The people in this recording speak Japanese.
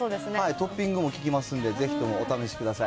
トッピングも効きますんで、ぜひともお試しください。